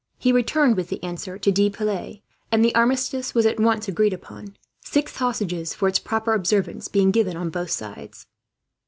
He returned with the answer to De Piles, and the armistice was at once agreed upon, six hostages for its proper observance being given on both sides.